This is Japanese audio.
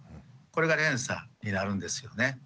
これが連鎖になるんですよね。